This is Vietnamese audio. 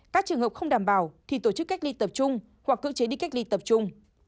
các trường hợp không đảm bảo thì tổ chức cách ly tập trung hoặc cưỡng chế đi cách ly tập trung